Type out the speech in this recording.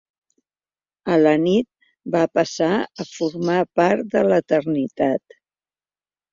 A la nit va passar a formar part de l'Eternitat.